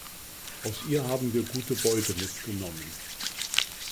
Aus ihr haben wir gute Beute mitgenommen"“.